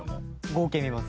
合計見ます。